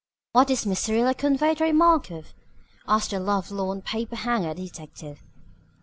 "What did Miss Syrilla convey the remark of?" asked the lovelorn paper hanger detective.